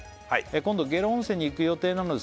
「今度下呂温泉に行く予定なので」